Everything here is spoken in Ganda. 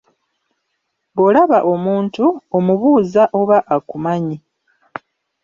Bw'olaba omuntu, omubuuza oba akumanyi.